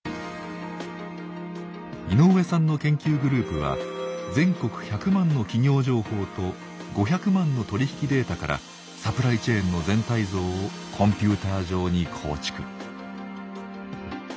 井上さんの研究グループは全国１００万の企業情報と５００万の取り引きデータからサプライチェーンの全体像をコンピューター上に構築。